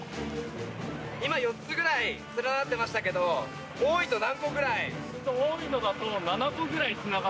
今、４つくらい連なっていましたけど多いと何個くらい？